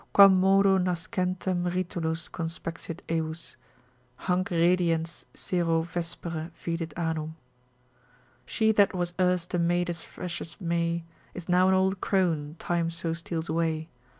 Quam modo nascentem rutilus conspexit Eous, Hanc rediens sero vespere vidit anum. She that was erst a maid as fresh as May, Is now an old crone, time so steals away.